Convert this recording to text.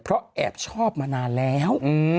เพราะแอบชอบมานานแล้ว